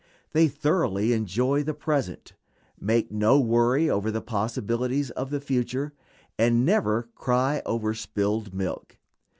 They thoroughly enjoy the present, make no worry over the possibilities of the future, and "never cry over spilled milk."